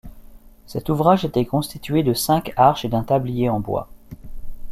Cet ouvrage était constitué de cinq arches et d'un tablier en bois.